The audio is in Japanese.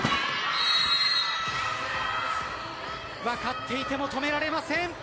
分かっていても止められません。